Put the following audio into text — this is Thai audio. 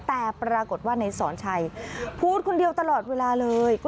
แต่ปรากฏว่าในสอนชัยพูดคนเดียวตลอดเวลาเลย